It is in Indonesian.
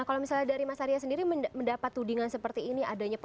nah kalau misalnya dari mas arya sendiri mendapat tudingan seperti ini adanya apa